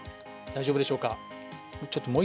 大丈夫でしょうか。